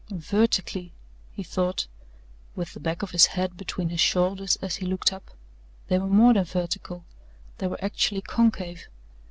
Vertically, he thought with the back of his head between his shoulders as he looked up they were more than vertical they were actually concave.